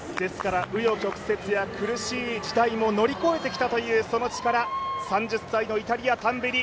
紆余曲折や苦しい時代も乗り越えてきたという力３０歳のイタリア、タンベリ。